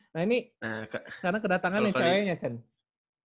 nah ini karena kedatangan ceweknya cenz